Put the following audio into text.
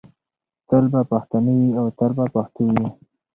تل به پښتانه وي او تل به پښتو وي.